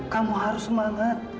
kamu harus semangat